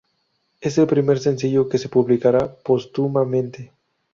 Es el primer sencillo que se publicará póstumamente.